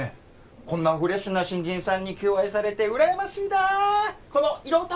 こんなフレッシュな新人さんに求愛されてうらやましいなこの色男！